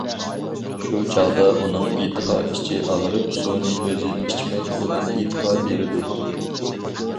شۇ چاغدا ئۇنىڭ ئىتقا ئىچى ئاغرىپ، سۇنى ئۆزى ئىچمەي، ئۇنى ئىتقا بېرىدۇ.